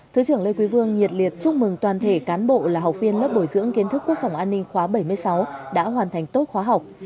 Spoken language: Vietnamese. thứ trưởng lê quý vương nhiệt liệt chúc mừng toàn thể cán bộ là học viên lớp bồi dưỡng kiến thức quốc phòng an ninh khóa bảy mươi sáu đã hoàn thành tốt khóa học